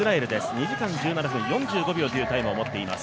２時間１７分４５秒というタイムを持っています。